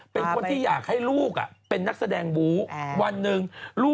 เป็นคนที่อยากให้ลูกเป็นนักแสดงบู๊วันหนึ่งลูก